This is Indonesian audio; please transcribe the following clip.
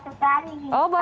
oh baru satu kali